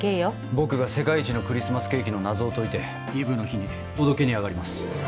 僕が、世界一のクリスマスケーキの謎を解いてイブの日に届けにあがります。